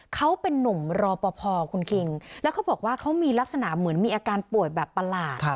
เขาเป็นนุ่มรอปภคุณคิงแล้วเขาบอกว่าเขามีลักษณะเหมือนมีอาการป่วยแบบประหลาด